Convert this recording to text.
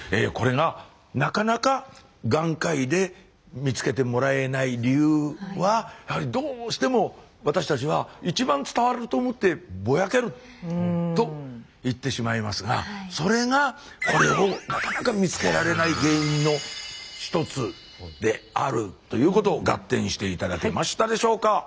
これがなかなか眼科医で見つけてもらえない理由はやはりどうしても私たちは一番伝わると思って「ぼやける」と言ってしまいますがそれがこれをなかなか見つけられない原因の一つであるということをガッテンして頂けましたでしょうか？